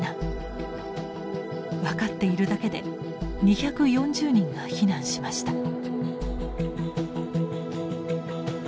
分かっているだけで２４０人が避難しました。